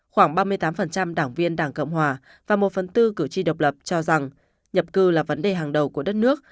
khoảng ba mươi tám đảng viên đảng cộng hòa và một phần tư cử tri độc lập cho rằng nhập cư là vấn đề hàng đầu của đất nước